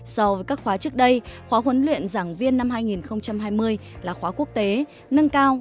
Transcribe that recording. so với các khóa trước đây khóa huấn luyện giảng viên năm hai nghìn hai mươi là khóa quốc tế nâng cao